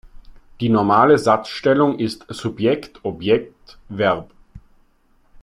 Die normale Satzstellung ist Subjekt-Objekt-Verb.